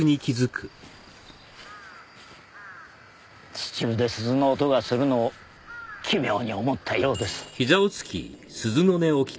地中で鈴の音がするのを奇妙に思ったようです。